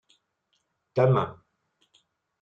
Ta main.